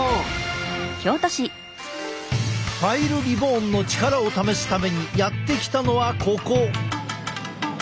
パイルリボーンの力を試すためにやって来たのはここ。